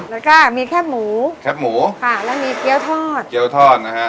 แล้วก็มีแคบหมูแคบหมูค่ะแล้วมีเกี้ยวทอดเกี้ยวทอดนะฮะ